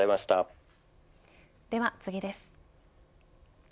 では次です。